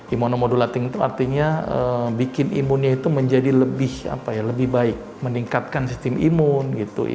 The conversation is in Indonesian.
imunomodulating itu artinya bikin imunnya itu menjadi lebih baik meningkatkan sistem imun